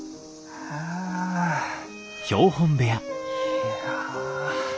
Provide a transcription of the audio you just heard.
いや。